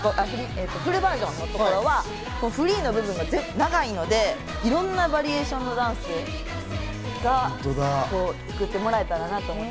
今回、フルｖｅｒ．のところはフリーの部分が長いので、いろんなバリエーションのダンスを作ってもらえたらなと。